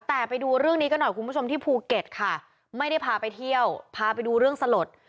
แต่ไปดูเรื่องนี้กันหน่อยคุณผู้ชมที่ภูเก็ตค่ะไม่ได้พาไปเที่ยวพาไปดูเรื่องสลด